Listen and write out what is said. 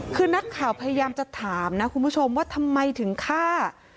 คือนักข่าวพยายามจะถามนะคุณผู้ชมว่าทำไมถึงฆ่า